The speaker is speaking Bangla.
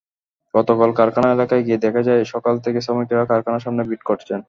গতকাল কারখানা এলাকায় গিয়ে দেখা যায়, সকাল থেকে শ্রমিকেরা কারখানার সামনে ভিড় করছেন।